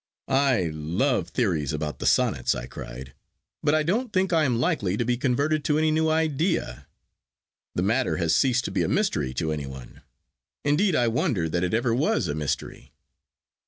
'I love theories about the Sonnets,' I cried; 'but I don't think I am likely to be converted to any new idea. The matter has ceased to be a mystery to any one. Indeed, I wonder that it ever was a mystery.